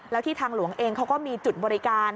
แล้วที่ทางหลวงเองเขาก็มีจุดบริการ